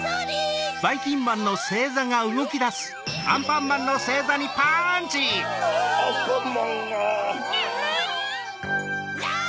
アンパンマンが。